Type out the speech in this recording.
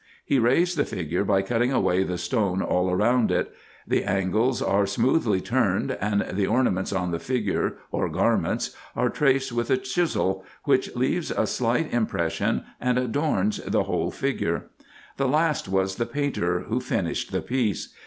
He raised the figure by cutting away the stone all round it. The angles are smoothly turned, and the ornaments on the figure or garments are traced with a chisel which leaves a slight impres sion, and adorns the wholefigure. The last was the painter, who finished the piece.